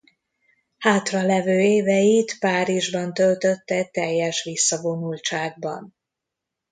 Hátra levő éveit Párizsban töltötte teljes visszavonultságban.